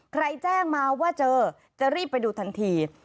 แจ้งมาว่าเจอจะรีบไปดูทันที